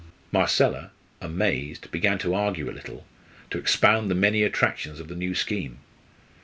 Marcella, amazed, began to argue a little, to expound the many attractions of the new scheme.